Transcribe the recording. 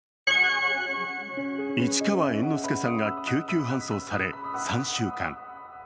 市川猿之助さんが救急搬送され３週間。